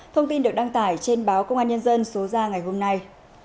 thông tin được đăng tải trên báo công an nhân dân số ra ngày hôm nay